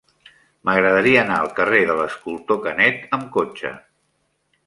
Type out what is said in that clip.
M'agradaria anar al carrer de l'Escultor Canet amb cotxe.